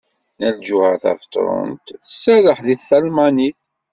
Nna Lǧuheṛ Tabetṛunt tserreḥ deg talmanit.